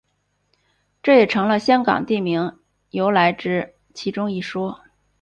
这也成了香港地名由来之其中一说。